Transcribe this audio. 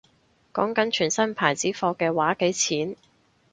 講緊全新牌子貨嘅話幾錢